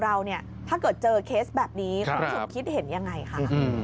ถ้าเจอเคสแบบนี้คุณผู้ชมคิดเห็นอย่างไรคะ